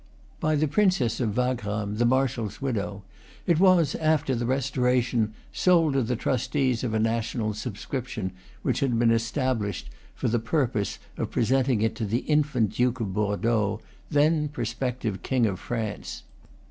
By the Princess of Wagram, the marshal's widow, it was, after the Restoration, sold to the trustees of a national subscription which had been established for the purpose of presenting it to the in fant Duke of Bordeaux, then prospective King of France.